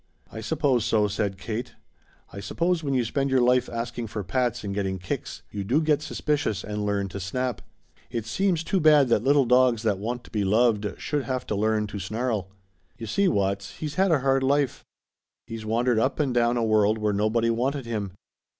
"I suppose so," said Kate. "I suppose when you spend your life asking for pats and getting kicks you do get suspicious and learn to snap. It seems too bad that little dogs that want to be loved should have to learn to snarl. You see, Watts, he's had a hard life. He's wandered up and down a world where nobody wanted him.